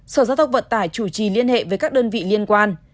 sở giáo dục vận tải chủ trì liên hệ với các đơn vị liên quan